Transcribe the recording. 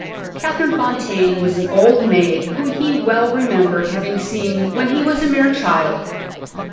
"Catherine Fontaine was an old maid whom he well remembered having seen when he was a mere child.